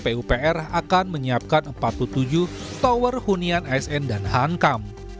pupr akan menyiapkan empat puluh tujuh tower hunian asn dan hankam